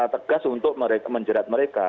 tegas untuk menjerat mereka